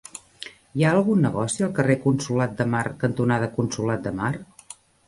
Hi ha algun negoci al carrer Consolat de Mar cantonada Consolat de Mar?